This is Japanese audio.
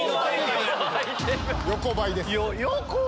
⁉横ばいです。